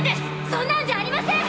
そんなんじゃありません！